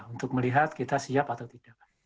untuk melihat kita siap atau tidak